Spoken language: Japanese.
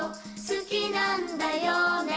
「好きなんだよね？」